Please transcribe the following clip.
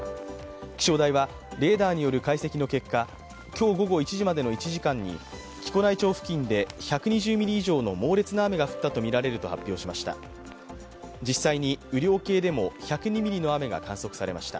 気象台はレーダーによる解析の結果今日午後１時までの１時間に１２０ミリ以上の猛烈な雨が降ったとみられると発表しました。